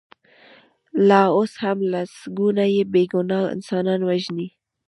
لا اوس هم لسګونه بې ګناه انسانان وژني.